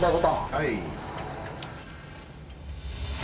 はい。